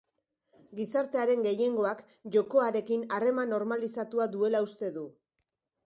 Gizartearen gehiengoak jokoarekin harreman normalizatua duela uste du.